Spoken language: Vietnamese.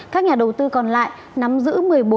các nhà đầu tư còn lại nắm giữ một mươi bốn